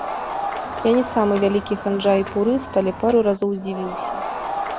Я не самы вялікі ханжа і пурыст, але пару разоў здзівіўся.